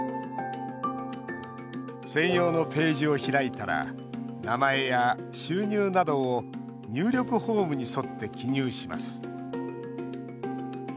専用のページを開いたら名前や収入などを入力フォームに沿って記入します。